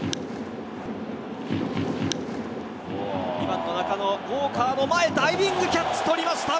２番の中野、ウォーカーの前、ダイビングキャッチ、捕りました。